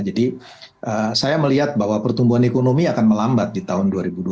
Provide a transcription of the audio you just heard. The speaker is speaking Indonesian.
jadi saya melihat bahwa pertumbuhan ekonomi akan melambat di tahun dua ribu dua puluh tiga